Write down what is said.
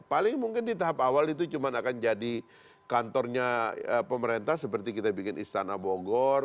paling mungkin di tahap awal itu cuma akan jadi kantornya pemerintah seperti kita bikin istana bogor